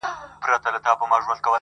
لکه چي مخکي وې هغسي خو جانانه نه يې.